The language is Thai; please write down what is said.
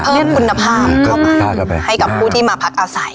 เพิ่มคุณภาพเข้าไปให้กับผู้ที่มาพักอาศัย